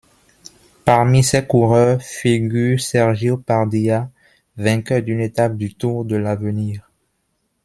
Parmi ses coureurs figure Sergio Pardilla, vainqueur d'une étape du Tour de l'Avenir.